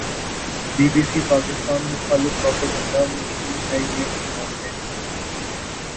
Be B C, Pakistan مخالف propaganda machine ہے۔ یہ ہم جانتے ہیں